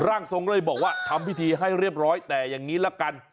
ร่างทรงก็เลยบอกว่าทำพิธีให้เรียบร้อยแต่อย่างนี้ละกัน